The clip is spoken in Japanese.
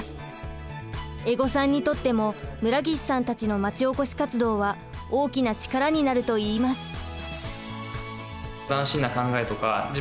江籠さんにとっても村岸さんたちのまちおこし活動は大きな力になると言います。